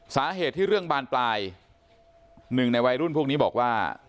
สาเหตุที่เรื่องบานปลายหนึ่งในวัยรุ่นพวกนี้บอกว่า